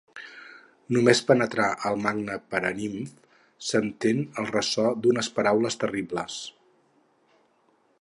Només penetrar al magne Paranimf senten el ressò d'unes paraules terribles.